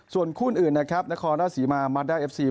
ส่วนคู่นอื่นนครราชสีมาร์มาร์ตได้เอฟซี